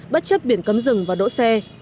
bất chấp biển cấm rừng và đỗ xe